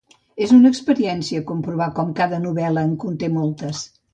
És una experiència comprovar com cada novel·la en conté moltes.